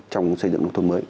trong xây dựng nông thôn mới